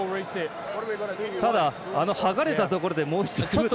ただ、はがれたところでもう一度、組むって。